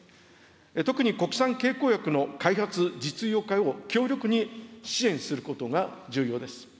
特に国産経口薬の開発、実用化を強力に支援することが重要です。